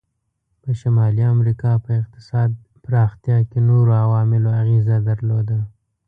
په شمالي امریکا په اقتصاد پراختیا کې نورو عواملو اغیزه درلوده.